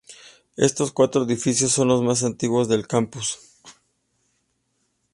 Estos cuatro edificios son los más antiguos del campus.